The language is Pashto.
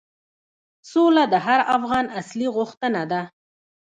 سوله د هر افغان اصلي غوښتنه ده.